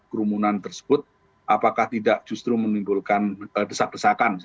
apakah kerumbunan tersebut apakah tidak justru menimbulkan desak desakan